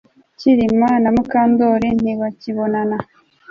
Kirima na Mukandoli ntibakibonana